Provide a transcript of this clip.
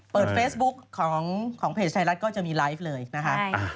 เปิดเฟซบุ๊กของเพจไทยรัฐก็จะมีไลฟ์เลยนะคะ